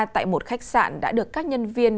tại một khách sạn đã được các nhân viên